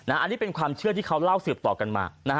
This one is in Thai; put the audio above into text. อันนี้เป็นความเชื่อที่เขาเล่าสืบต่อกันมา